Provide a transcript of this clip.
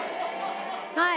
はい。